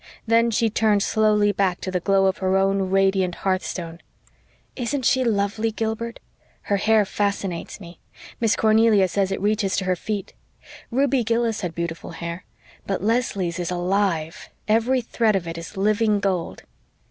Then she turned slowly back to the glow of her own radiant hearthstone. "Isn't she lovely, Gilbert? Her hair fascinates me. Miss Cornelia says it reaches to her feet. Ruby Gillis had beautiful hair but Leslie's is ALIVE every thread of it is living gold."